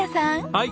はい！